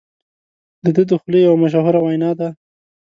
د ده د خولې یوه مشهوره وینا ده.